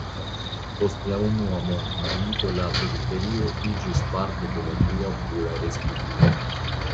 Post la Unua Mondmilito la teritorio iĝis parto de la Dua Pola Respubliko.